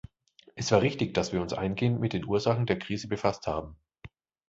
Es war richtig, dass wir uns eingehend mit den Ursachen der Krise befasst haben.